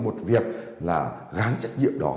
một việc là gán trách nhiệm đó